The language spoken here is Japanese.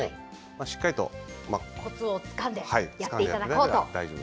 しっかりとコツをつかんでやっていただこうと。